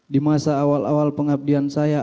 di masa awal awal pengabdian saya